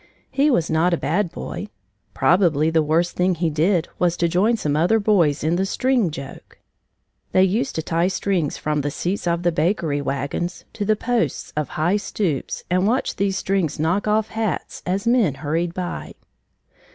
He was not a bad boy. Probably the worst thing he did was to join some other boys in the string joke. They used to tie strings from the seats of the bakery wagons to the posts of high stoops and watch these strings knock off hats as men hurried by.